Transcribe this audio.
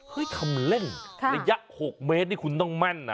ทำเล่นระยะ๖เมตรนี่คุณต้องแม่นนะ